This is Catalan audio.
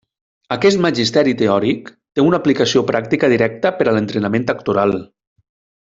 Aquest magisteri teòric té una aplicació pràctica directa per a l'entrenament actoral.